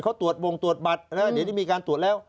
เขาตรวจวงตรวจบัตรแล้วเดี๋ยวนี้มีการตรวจแล้ว